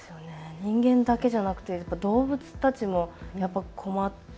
人間だけじゃなく動物たちも困って。